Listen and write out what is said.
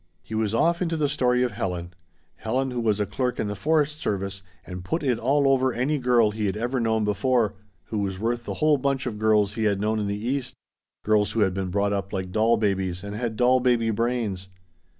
He was off into the story of Helen: Helen, who was a clerk in the forest service and "put it all over" any girl he had ever known before, who was worth the whole bunch of girls he had known in the East girls who had been brought up like doll babies and had doll baby brains.